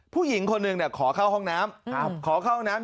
ผู้หญิงคนหนึ่งขอเข้าห้องน้ำขอเข้าห้องน้ำ